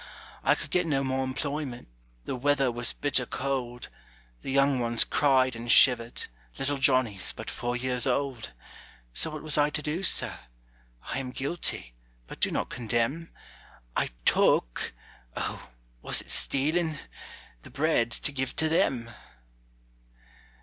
"I could get no more employment; The weather was bitter cold; The young ones cried and shivered (Little Johnnie's but four years old). So what was I to do, sir? I am guilty, but do not condemn; I took oh, was it stealing? The bread to give to them."